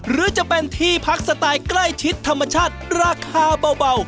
หรือจะเป็นที่พักสไตล์ใกล้ชิดธรรมชาติราคาเบา